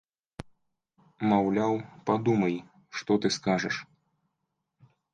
Маўляў, падумай, што ты скажаш.